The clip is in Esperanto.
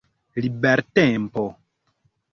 libertempo